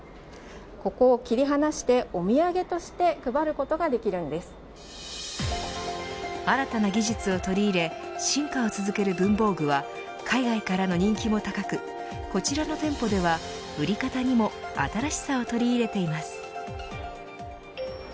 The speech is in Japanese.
ここを切り離して、お土産として新たな技術を取り入れ進化を続ける文房具は海外からの人気も高くこちらの店舗では売り方にも新しさを取り入れています。